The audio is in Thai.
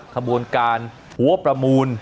ขบวนการหัวประมูล